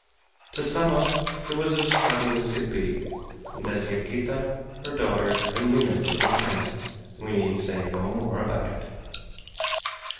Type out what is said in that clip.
To sum up, it was as charming as could be; and as Yaquita, her daughter, and Lina were content, we need say no more about it.